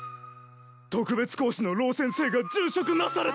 特別講師の老先生が殉職なされた。